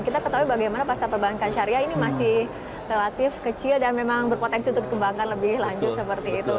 kita ketahui bagaimana pasar perbankan syariah ini masih relatif kecil dan memang berpotensi untuk dikembangkan lebih lanjut seperti itu